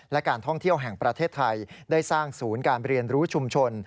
และการท่องเที่ยวแห่งประเทศไทยได้สร้างศูนย์การเรียนรู้ชุมชน